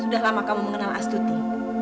sudah lama kamu mengenal astuti